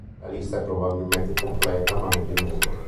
La lista è probabilmente incompleta, ma non di molto.